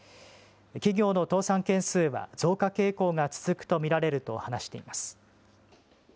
企業の倒産件数は増加傾向が続くと見られると話しています。